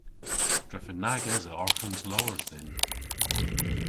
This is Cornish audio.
Drefen nag esa arghans lowr dhyn.